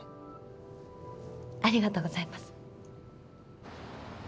ありがとうございます。